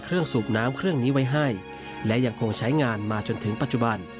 สูบน้ำเครื่องนี้ไว้ให้และยังคงใช้งานมาจนถึงปัจจุบัน